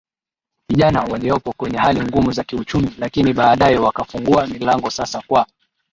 vijana waliopo kwenye hali ngumu za kiuchumi Lakini baadae wakafungua milango sasa kwa